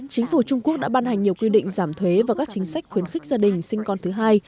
chính phủ trung quốc đã ban hành nhiều quy định giảm thuế và các chính sách khuyến khích gia đình sinh con thứ hai